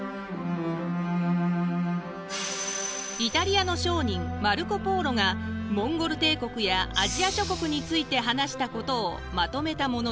イタリアの商人マルコ＝ポーロがモンゴル帝国やアジア諸国について話したことをまとめたものです。